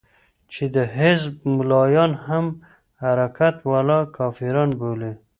چې د حزب ملايان هم حرکت والا کافران بولي.